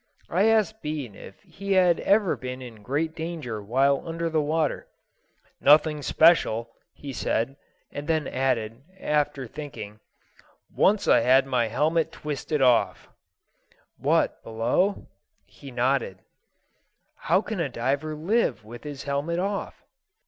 I asked Bean if he had ever been in great danger while under the water. "Nothing special," he said, and then added, after thinking: "Once I had my helmet twisted off." [Illustration: PORTRAIT OF A DIVER. DRAWN FROM LIFE.] "What, below?" He nodded. "How can a diver live with his helmet off?"